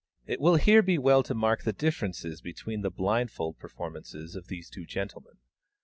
It will here be well to mark the difference between the blindfold performances of these two gentlemen.